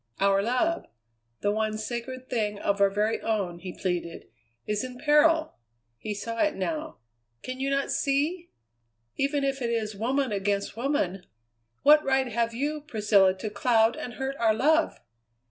"Our love, the one sacred thing of our very own," he pleaded, "is in peril." He saw it now. "Can you not see? Even if it is woman against woman, what right have you, Priscilla, to cloud and hurt our love?"